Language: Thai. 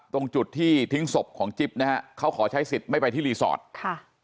ตรงจุดที่ทิ้งศพของจิ๊บนะฮะเขาขอใช้สิทธิ์ไม่ไปที่รีสอร์ทค่ะ